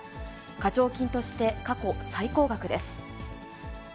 課徴金として過去最高額です。